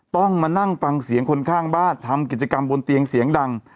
ต้องมานั่งฟังเสียงคนข้างบ้านทำกิจกรรมบนเตียงเสียงดัง